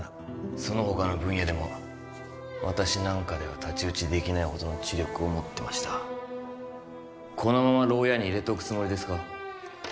その他の分野でも私なんかでは太刀打ちできないほどの知力を持ってましたこのままろう屋に入れておくつもりですか？